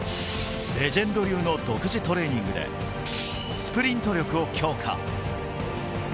レジェンド流の独自トレーニングでスプリント力を強化。